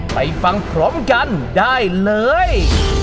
ไปฟังพร้อมกันได้เลย